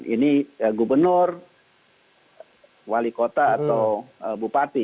ini gubernur wali kota atau bupati